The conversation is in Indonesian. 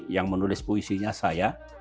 yang menulis puisinya saya